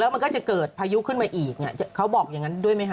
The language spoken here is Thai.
มันก็จะเกิดพายุขึ้นมาอีกเนี่ยเขาบอกอย่างนั้นด้วยไหมคะ